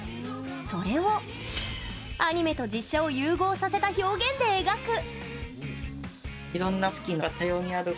それをアニメと実写を融合させた表現で描く。